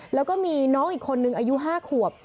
แล้วก็มีน้องอีกคนนึงอายุ๕ขวบ